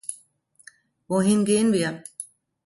Wohin gehen wir?